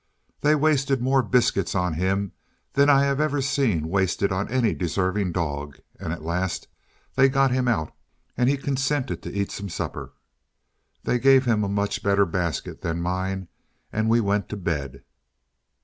They wasted more biscuits on him than I have ever seen wasted on any deserving dog; and at last they got him out, and he consented to eat some supper. They gave him a much better basket than mine, and we went to bed.